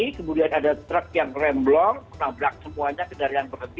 jadi kemudian ada truk yang remblong nabrak semuanya kendaraan berhenti